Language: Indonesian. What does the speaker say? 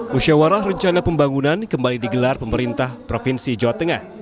musyawarah rencana pembangunan kembali digelar pemerintah provinsi jawa tengah